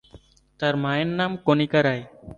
তার মায়ের নাম কণিকা রায়।